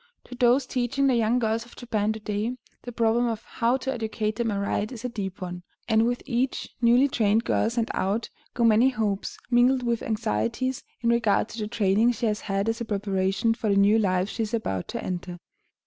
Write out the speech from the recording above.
To those teaching the young girls of Japan to day, the problem of how to educate them aright is a deep one, and with each newly trained girl sent out go many hopes, mingled with anxieties, in regard to the training she has had as a preparation for the new life she is about to enter.